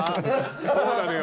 そうなのよ